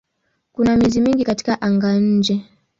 Kuna miezi mingi katika anga-nje.